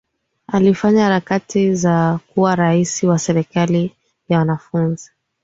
alifanya harakati za kuwa raisi wa serikali ya wanafunzi